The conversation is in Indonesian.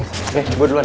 nih coba duluan